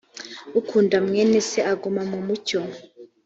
ukunda mwene se aguma mu mucyo